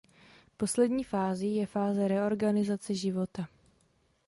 Poslední fází je fáze reorganizace života.